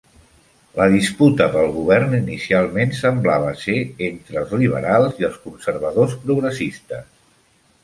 La disputa pel govern inicialment semblava ser entre els liberals i els conservadors progressistes.